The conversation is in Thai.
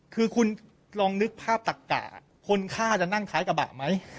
คือคุณลองนึกภาพตักกะคนฆ่าจะนั่งท้ายกระบะไหม